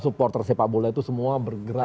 supporter sepak bola itu semua bergerak